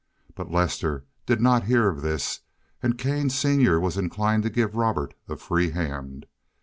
But Lester did not hear of this, and Kane senior was inclined to give Robert a free hand.